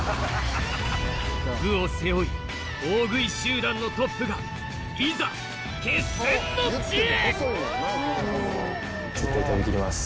部を背負い大食い集団のトップがいざ決戦の地へ！